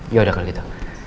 yaudah kali itu